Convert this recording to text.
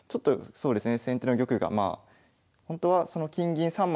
そうですね。